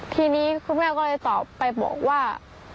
ทีนี้คุณแม่ก็เลยตอบไปบอกว่า